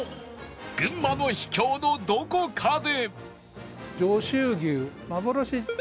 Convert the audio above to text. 群馬の秘境のどこかで